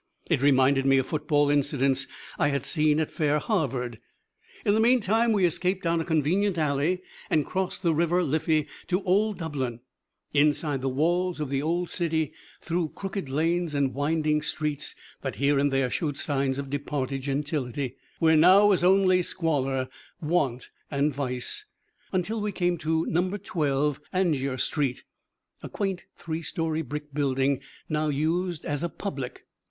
It reminded me of football incidents I had seen at fair Harvard. In the meantime, we escaped down a convenient alley and crossed the River Liffey to Old Dublin; inside the walls of the old city, through crooked lanes and winding streets that here and there showed signs of departed gentility, where now was only squalor, want and vice, until we came to Number Twelve Angier Street, a quaint, three story brick building now used as a "public."